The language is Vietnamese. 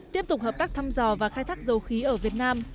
tiếp tục hợp tác thăm dò và khai thác dầu khí ở việt nam